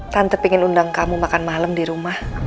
tante pingin undang kamu makan malem di rumah